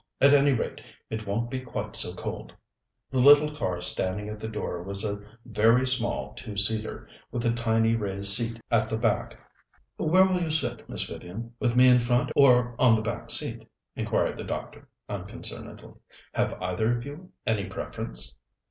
At any rate, it won't be quite so cold." The little car standing at the door was a very small two seater, with a tiny raised seat at the back. "Where will you sit, Miss Vivian, with me in front or on the back seat?" inquired the doctor unconcernedly. "Have either of you any preference?"